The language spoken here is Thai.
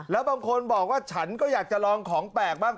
แล้วบางคนบอกว่าฉันก็อยากจะลองของแปลกบ้าง